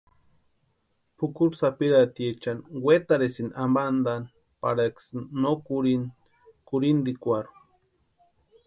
Pʼukuri sapirhatiechani wetarhisïnti ampantaani pariksï no kurhini kurhintikwarhu.